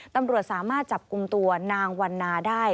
ตำรวจสามารถจับกลุ่มตัวนางวันนาได้